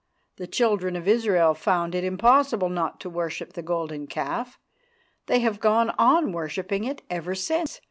The children of Israel found it impossible not to worship the golden calf. They have gone on worshipping it ever since.